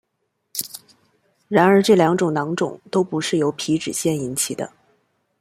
然而这两种囊肿都不是由皮脂腺引起的。